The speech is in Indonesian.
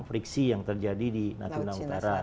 friksi yang terjadi di natuna utara